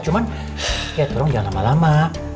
cuman ya tolong jangan lama lama